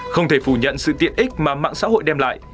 không thể phủ nhận sự tiện ích mà mạng xã hội đem lại